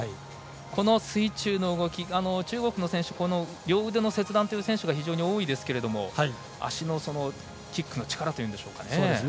この水中の動き、中国の選手は両腕の切断という選手が非常に多いですけど足のキックの力というんでしょうかね。